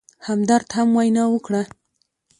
همدرد هم وینا وکړه.